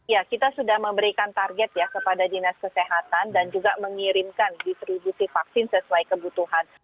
ya kita sudah memberikan target ya kepada dinas kesehatan dan juga mengirimkan distribusi vaksin sesuai kebutuhan